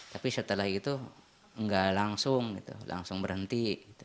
tapi setelah itu nggak langsung gitu langsung berhenti